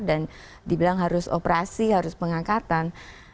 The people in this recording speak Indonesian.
dan dibilang harus operasi harus pengangkatan